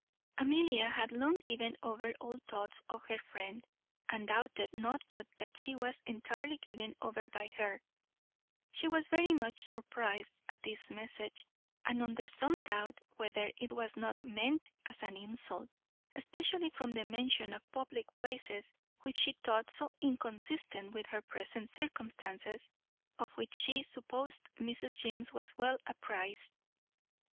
Amelia had long given over all thoughts of her friend, and doubted not but that she was as entirely given over by her; she was very much surprized at this message, and under some doubt whether it was not meant as an insult, especially from the mention of public places, which she thought so inconsistent with her present circumstances, of which she supposed Mrs. James was well apprized.